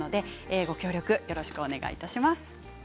ご協力よろしくお願いします。